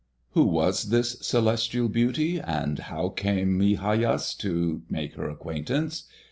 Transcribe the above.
Who was this celestial beauty, and how came Migajas to make her acquaintance?